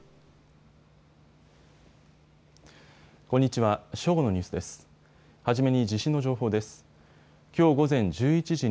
こんにちは。